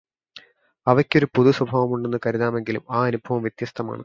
അവയ്ക്കു ഒരു പൊതുസ്വഭാവമുണ്ടെന്നു കരുതാമെങ്കിലും ആ അനുഭവം വ്യത്യസ്തമാണ്.